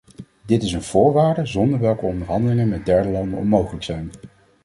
Dit is een voorwaarde zonder welke onderhandelingen met derde landen onmogelijk zijn.